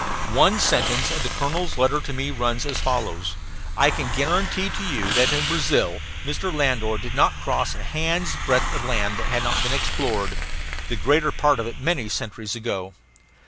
One sentence of the colonel's letter to me runs as follows: "I can guarantee to you that in Brazil Mr. Landor did not cross a hand's breadth of land that had not been explored, the greater part of it many centuries ago."